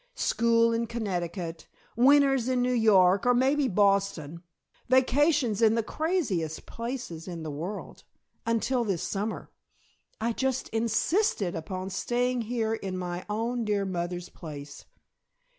School in Connecticut, winters in New York or maybe Boston, vacations in the craziest places in the world, until this summer. I just insisted upon staying here in my own dear mother's place.